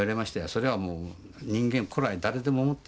それはもう人間古来誰でも持ってるんだと。